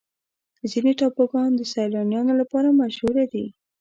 ځینې ټاپوګان د سیلانیانو لپاره مشهوره دي.